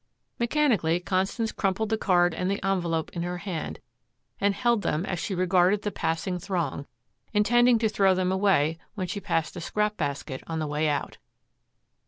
Mechanically Constance crumpled the card and the envelope in her hand and held them as she regarded the passing throng, intending to throw them away when she passed a scrap basket on the way out.